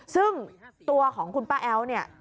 ซึ่งตัวของคุณป้าแอ้วเนี่ย